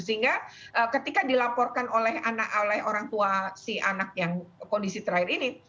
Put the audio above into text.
sehingga ketika dilaporkan oleh anak oleh orang tua si anak yang kondisi terakhir ini